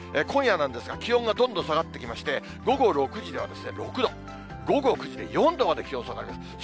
今夜なんですが、気温がどんどん下がってきまして、午後６時では６度、午後９時で４度まで気温下がります。